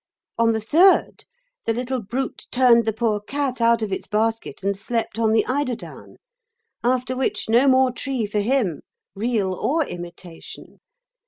On the third the little brute turned the poor cat out of its basket and slept on the eiderdown, after which no more tree for him, real or imitation.